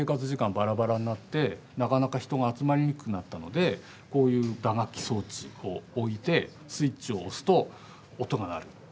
ばらばらになってなかなか人が集まりにくくなったのでこういう打楽器装置を置いてスイッチを押すと音が鳴るっていう。